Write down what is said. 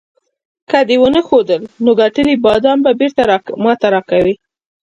که دې ونه ښودل، نو ګټلي بادام به بیرته ماته راکوې.